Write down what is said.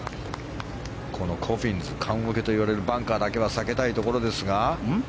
このコフィンズ棺桶と呼ばれるバンカーだけは避けたいところですが。